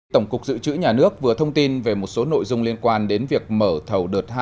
tổng cục dự trữ nhà nước vừa thông tin về một số nội dung liên quan đến việc mở thầu đợt hai